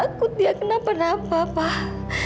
mama takut dia kena penampak pak